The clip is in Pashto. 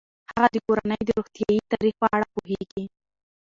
هغه د کورنۍ د روغتیايي تاریخ په اړه پوهیږي.